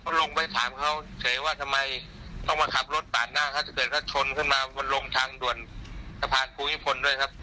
ลงไปถามเขาเฉยว่าทำไมต้องมาขับรถปาดหน้าถ้าเกิดว่าชนขึ้นมาบนลงทางด่วนสะพานภูมิพลด้วยครับ